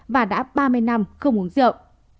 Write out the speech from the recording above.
và đã ba mươi năm không uống rượu